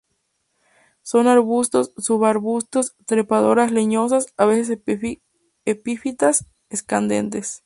Son arbustos, subarbustos, trepadoras leñosas, a veces epífitas escandentes.